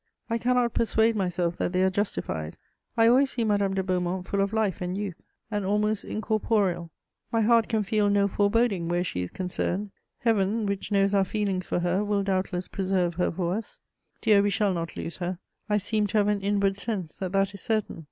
I cannot persuade myself that they are justified. I always see Madame de Beaumont full of life and youth, and almost incorporeal; my heart can feel no foreboding where she is concerned. Heaven, which knows our feelings for her, will doubtless preserve her for us. Dear, we shall not lose her; I seem to have an inward sense that that is certain.